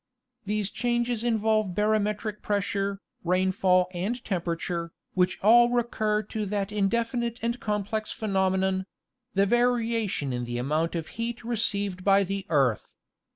_ These changes involve barometric pressure, rainfall and tempera ture, which all recur to that indefinite and complex phenomenon— the variation in the amount of heat received by the earth.